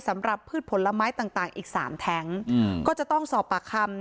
พืชผลไม้ต่างต่างอีกสามแท้งก็จะต้องสอบปากคำ